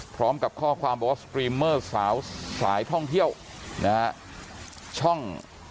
พร้อมกับข้อความบอกว่าสตรีมเมอร์สาวสายท่องเที่ยวนะฮะช่อง